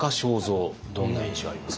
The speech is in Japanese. どんな印象ありますか？